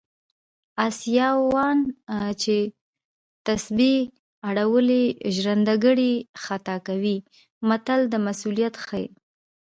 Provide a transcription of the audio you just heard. اسیاوان چې تسبې اړوي ژرندګړی خطا کوي متل د مسوولیت ښيي